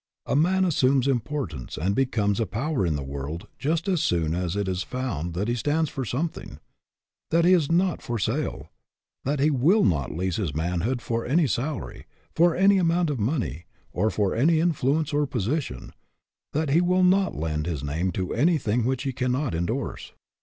A man assumes importance and becomes a power in the world just as soon as it is found that he stands for something; that he is not for sale ; that he will not lease his manhood for salary, for any amount of money or for any influence or position ; that he will not lend his name to anything which he cannot indorse.